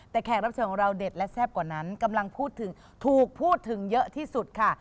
แต่แขกรับเชิญของเราเด็ดและแซ่บกว่านั้นกำลังพูดถึงถูกพูดถึงเยอะที่สุดค่ะ